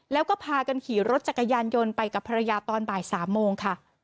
แล้วก็พากันขี่รถจักรยานยนต์ไปกับภรรยาตอนบ่าย๓โมงค่ะ